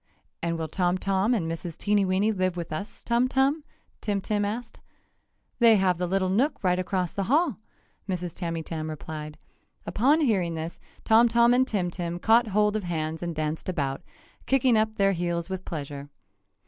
"And will Tom Tom and Mrs. Teenyweeny live with us, Tum Tum?" Tim Tim asked. "They have the little nook right across the hall!" Mrs. Tamytam replied. Upon hearing this Tom Tom and Tim Tim caught hold of hands and danced about, kicking up their heels with pleasure.